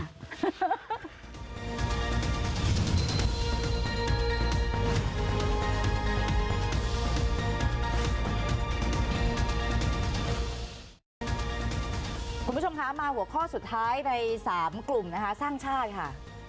คุณผู้ชมคะมาหัวข้อสุดท้ายใน๓กลุ่มนะคะสร้างชาติค่ะ